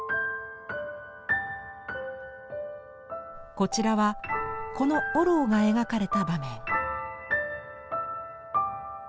こちらはこの御廊が描かれた場面。